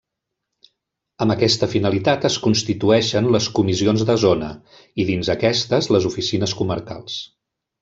Amb aquesta finalitat es constitueixen les Comissions de Zona, i dins aquestes les Oficines Comarcals.